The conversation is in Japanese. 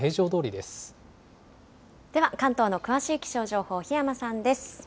では関東の詳しい気象情報、檜山さんです。